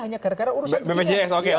hanya gara gara urusan begini